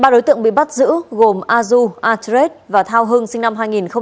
ba đối tượng bị bắt giữ gồm adu atret và thao hưng sinh năm hai nghìn sáu